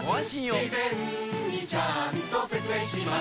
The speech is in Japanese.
事前にちゃんと説明します